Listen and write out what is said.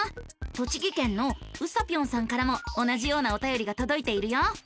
栃木県のうさぴょんさんからも同じようなおたよりがとどいているよ。